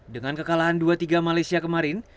dengan kekalahan dua tiga malaysia kemarin